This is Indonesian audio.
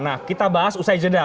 nah kita bahas usai jeda